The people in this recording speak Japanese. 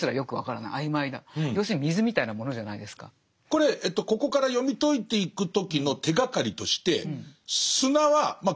これここから読み解いていく時の手がかりとして砂はまあ